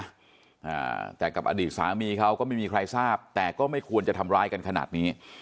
อ่าแต่กับอดีตสามีเขาก็ไม่มีใครทราบแต่ก็ไม่ควรจะทำร้ายกันขนาดนี้